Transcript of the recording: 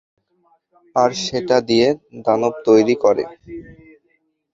আর সেটা দিয়ে দানব তৈরি করে।